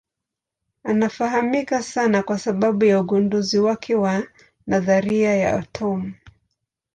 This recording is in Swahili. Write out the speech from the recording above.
Anafahamika sana kwa sababu ya ugunduzi wake wa nadharia ya atomu.